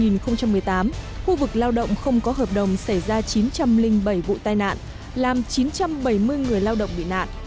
năm hai nghìn một mươi tám khu vực lao động không có hợp đồng xảy ra chín trăm linh bảy vụ tai nạn làm chín trăm bảy mươi người lao động bị nạn